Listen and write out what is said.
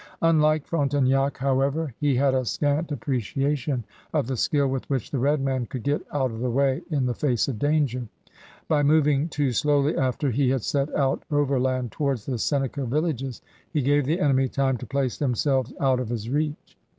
Unlike Frontenac, how 96 CRUSADERS OF NEW FRANCE ever, he had a scant appreciation of the skill with which the red man could get out of the way in the face of danger. By moving too slowly after he had set out overland towards the Seneca villages, he gave the enemy time to place themselves out of his reach.